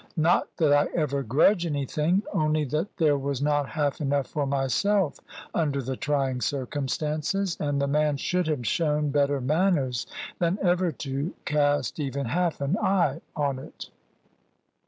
Not that I ever grudge anything; only that there was not half enough for myself under the trying circumstances, and the man should have shown better manners than ever to cast even half an eye on it.